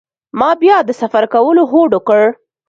ما بیا د سفر کولو هوډ وکړ.